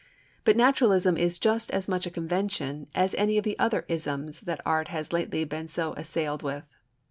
But naturalism is just as much a convention as any of the other isms that art has lately been so assailed with.